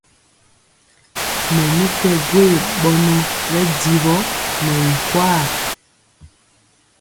Mɛ mi kɛ gwee ɓɔnɔ ɓɛ jiwɔ nɛ i nkwaa.